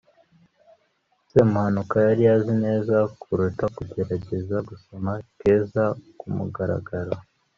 semuhanuka yari azi neza kuruta kugerageza gusoma keza kumugaragaro